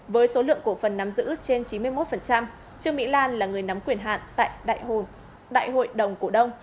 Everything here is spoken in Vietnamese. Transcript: với số lượng cổ phần nắm giữ trên chín mươi một trương mỹ lan là người nắm quyền hạn tại đại hội đồng cổ đông